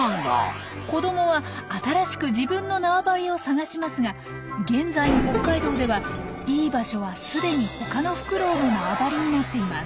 子どもは新しく自分のなわばりを探しますが現在の北海道ではいい場所はすでに他のフクロウのなわばりになっています。